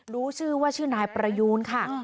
รู้ชื่อว่าชื่อนายประยูนค่ะ